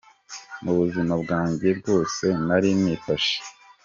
Mu buzima bwanjye bwose nari nifashe.